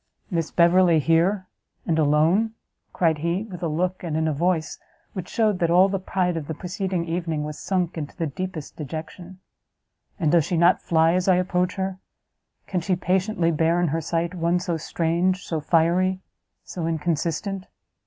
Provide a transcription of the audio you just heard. "Miss Beverley here! and alone!" cried he, with a look, and in a voice, which shewed that all the pride of the preceding evening was sunk into the deepest dejection; "and does she not fly as I approach her? can she patiently bear in her sight one so strange, so fiery, so inconsistent?